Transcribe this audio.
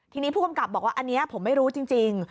ทีนี้ผู้กำกับบอกว่าอันนี้ผมไม่รู้จริง